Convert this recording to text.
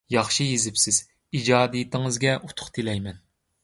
ياخشى يېزىپسىز، ئىجادىيىتىڭىزگە ئۇتۇق تىلەيمەن.